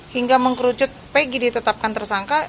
hingga mengkerucut pg ditetapkan tersangka